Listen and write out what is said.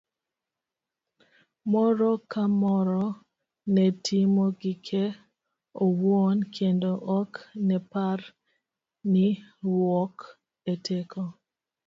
Moro kamoro ne timo gike owuon kendo ok nepar ni riwruok e teko.